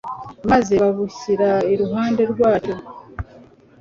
maze babushyira iruhande rwacyo